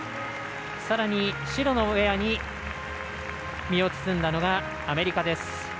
さらに白のウェアに身を包んだのがアメリカです。